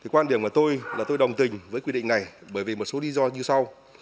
quan điểm của tôi là tôi đồng tình với quy định này bởi vì một số lý do như sau